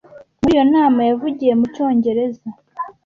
Muri iyo nama yavugiye mu Cyongereza.